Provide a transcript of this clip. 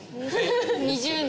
２０年？